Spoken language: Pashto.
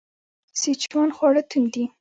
سیچوان خواړه توند دي.